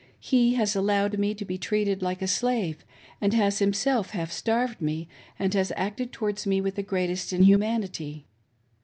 He has allowed me to be treated like a slave, and has himself half starved me and has acted towards me with the greatest in humanity.